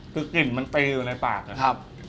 คือกลิ่นมันตีอยู่ในปากนะครับ